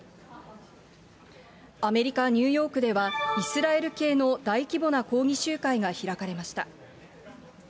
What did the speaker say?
アメリカ・ニューヨークでは、イスラエル系の大規模な抗議集会が開かれました。